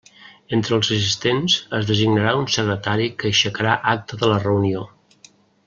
Entre els assistents es designarà un secretari que aixecarà acta de la reunió.